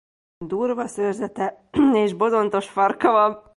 Durva szőrzete és bozontos farka van.